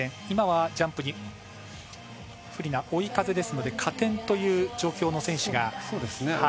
今はジャンプに不利な追い風ですので加点という状況の選手が。